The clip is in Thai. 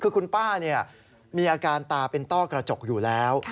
คือคุณป้ามีอาการตาเป็นต้อกระจกอยู่แล้ว